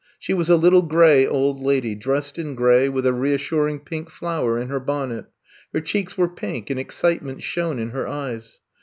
She was a little gray old lady, dressed in gray, with a reassuring pink flower in her bonnet. Her cheeks were pink, and excitement shone in her eyes.